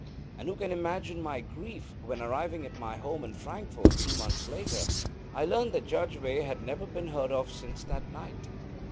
And who can imagine my grief when, arriving at my home in Frankfort two months later, I learned that Judge Veigh had never been heard of since that night?